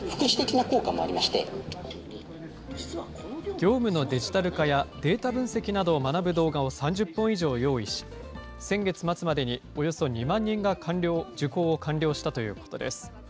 業務のデジタル化やデータ分析などを学ぶ動画を３０本以上用意し、先月末までにおよそ２万人が受講を完了したということです。